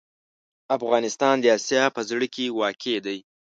افغانستان د اسیا په زړه کې واقع دی.